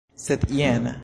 Sed jen!